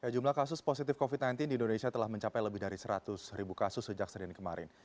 jumlah kasus positif covid sembilan belas di indonesia telah mencapai lebih dari seratus ribu kasus sejak senin kemarin